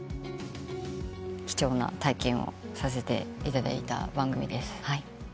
貴重な体験をさせていただいた番組です。